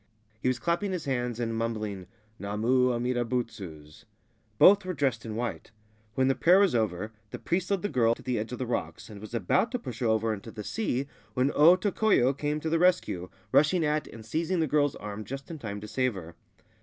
He was clapping his hands and mumbling 'Namu Amida Butsu's.' Both were dressed in white. When the prayer was over, the priest led the girl to the edge of the rocks, and was about to push her over into the sea, when O Tokoyo came to the rescue, rushing at and seizing the girl's arm just in time to save her.